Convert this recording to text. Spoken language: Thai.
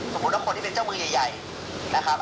สมมุติว่าคนที่เป็นเจ้ามือใหญ่นะครับ